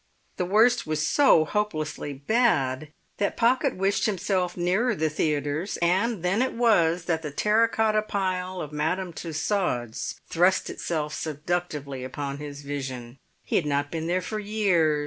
The worst was so hopelessly bad that Pocket wished himself nearer the theatres, and then it was that the terra cotta pile of Madame Tussaud's thrust itself seductively upon his vision. He had not been there for years.